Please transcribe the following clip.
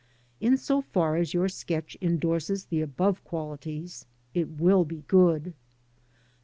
In so far as your sketch endorses the above qualities, it will be good.